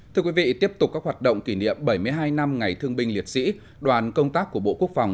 thưa quý vị tiếp tục các hoạt động kỷ niệm bảy mươi hai năm ngày thương binh liệt sĩ đoàn công tác của bộ quốc phòng